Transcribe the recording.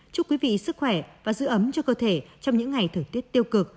chúc quý vị sức khỏe và giữ ấm cho cơ thể trong những ngày thời tiết tiêu cực